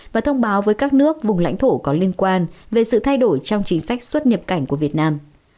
và thông báo với các nước vùng lãnh thổ có liên quan về sự thay đổi trong chính sách xuất nhập cảnh của việt nam